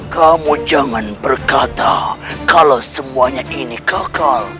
kamu jangan berkata kalau semuanya ini gagal